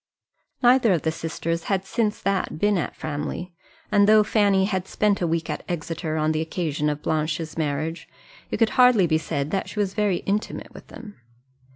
Neither of the sisters had since that been at Framley; and though Fanny had spent a week at Exeter on the occasion of Blanche's marriage, it could hardly be said that she was very intimate with them.